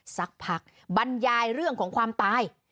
สักพักบรรยายเรื่องของความตาย